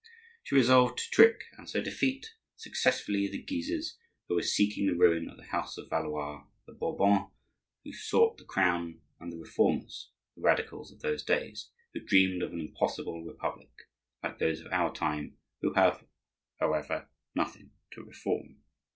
She resolved to trick and so defeat, successively, the Guises who were seeking the ruin of the house of Valois, the Bourbons who sought the crown, and the Reformers (the Radicals of those days) who dreamed of an impossible republic—like those of our time; who have, however, nothing to reform.